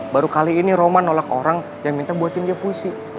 baru kali ini roma nolak orang yang minta buatin dia puisi